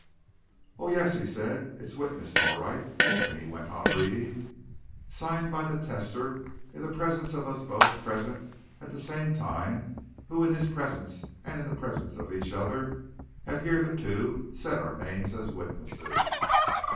"Oh, yes!" he said. "It's witnessed all right." And he went on reading. "'Signed by the testator in the presence of us both present at the same time who in his presence and in the presence of each other have hereunto set our names as witnesses.